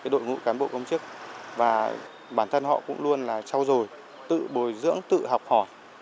đội ngũ cán bộ công chức và bản thân họ cũng luôn là trao dồi tự bồi dưỡng tự học hỏi